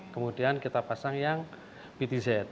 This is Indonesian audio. kemudian kita pasang yang btz